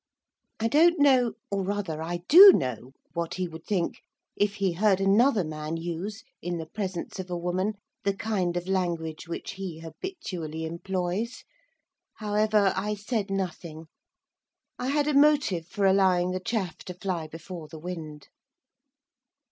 I don't know or, rather, I do know what he would think, if he heard another man use, in the presence of a woman, the kind of language which he habitually employs. However, I said nothing. I had a motive for allowing the chaff to fly before the wind.